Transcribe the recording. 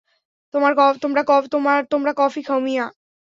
তোমার কফি খাও, মিয়া।